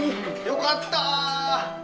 よかった！